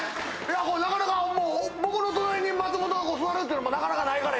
なかなか僕の隣に松本が座るっていうのもなかなかないからやな。